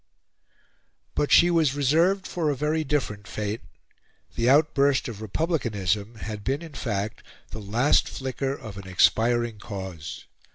III But she was reserved for a very different fate. The outburst of republicanism had been in fact the last flicker of an expiring cause.